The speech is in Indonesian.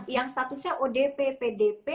yang statusnya odp pdp